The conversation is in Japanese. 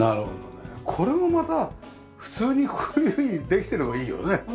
これもまた普通にこういうふうにできてればいいよね。